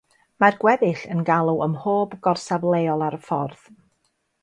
Mae'r gweddill yn galw ym mhob gorsaf leol ar y ffordd.